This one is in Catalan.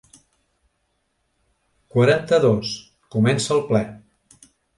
Quaranta-dos – Comença el ple.